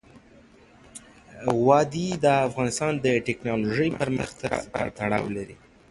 وادي د افغانستان د تکنالوژۍ پرمختګ سره تړاو لري.